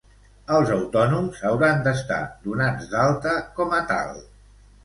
Els autònoms hauran d'estar donats d'alta com a tal.